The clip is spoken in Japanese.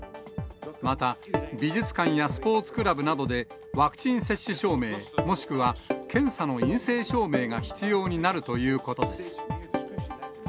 また、美術館やスポーツクラブなどで、ワクチン接種証明もしくは検査の陰性証明が必要になるということです。